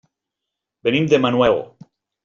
Venim de Manuel.